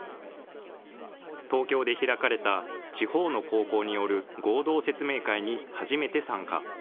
東京で開かれた、地方の高校による合同説明会に初めて参加。